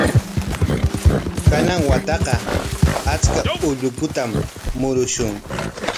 Kanan wataqa achka ullukutam murushun.